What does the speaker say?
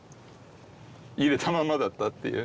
入れたまんまだったっていう。